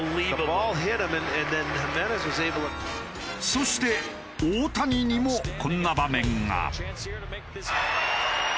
そして大谷にもこんな場面が。